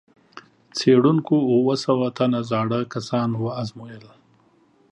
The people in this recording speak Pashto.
څېړونکو اووه سوه تنه زاړه کسان وازمویل.